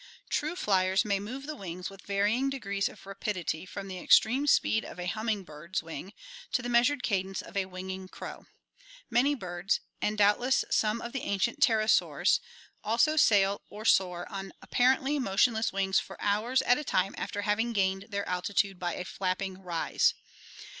True flyers may move the wings with varying degrees of rapidity from the extreme speed of a humming bird's wing to the measured cadence of a winging crow. Many birds (and doubtless some of the ancient pterosaurs) also sail or soar on ap 347 348 ORGANIC EVOLUTION parently motionless wings for hours at a time after having gained their altitude by a flapping rise.